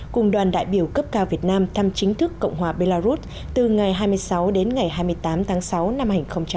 cùng đoàn đại biểu cấp cao việt nam thăm chính thức cộng hòa belarus từ ngày hai mươi sáu đến ngày hai mươi tám tháng sáu năm hai nghìn một mươi chín